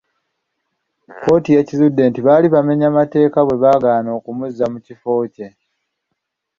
Kkooti yakizudde nti baali baamenya mateeka bwebaagaana okumuzza mu kifo kye.